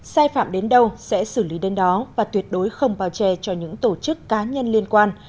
sai phạm đến đâu sẽ xử lý đến đó và tuyệt đối không bào chè cho những tổ chức cá nhân liên quan